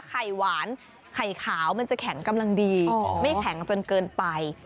ไข่หวานไข่ขาวมันจะแข็งกำลังดีไม่แข็งจนเกินไป